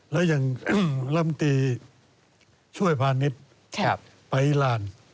แล้วอย่างลำตีช่วยพาณิชย์ไปอีราน